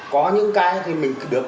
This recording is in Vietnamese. có những cái thì mình được